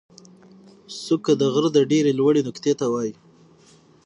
څوکه د غره د ډېرې لوړې نقطې ته وایي.